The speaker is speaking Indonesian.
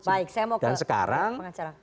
baik saya mau ke sekarang pengacara